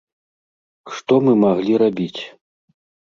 Што мы маглі рабіць?